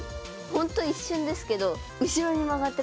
本当一瞬ですけど後ろに曲がってる気がする。